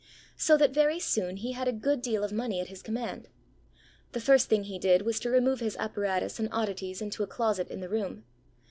So that very soon he had a good deal of money at his command. The first thing he did was to remove his apparatus and oddities into a closet in the room.